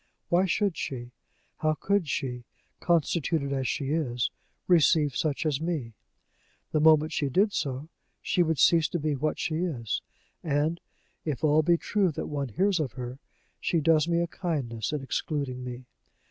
Why should she, how could she, constituted as she is, receive such as me? The moment she did so, she would cease to be what she is; and, if all be true that one hears of her, she does me a kindness in excluding me.